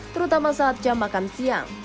terutama saat jam makan siang